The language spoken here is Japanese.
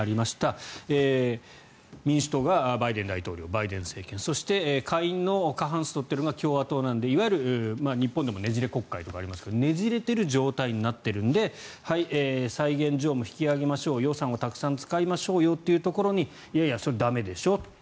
民主党がバイデン大統領バイデン政権そして、下院の過半数を取っているのが共和党なのでいわゆる、日本でもねじれ国会とかありますがねじれている状態になっているので債務上限を引き上げましょう予算をたくさん使いましょうというところにいやいや、駄目でしょうと。